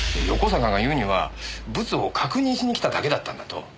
横坂が言うにはブツを確認しに来ただけだったんだと。